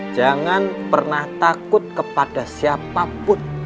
jangan pernah takut kepada siapapun